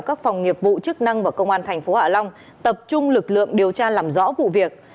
các phòng nghiệp vụ chức năng và công an tp hạ long tập trung lực lượng điều tra làm rõ vụ việc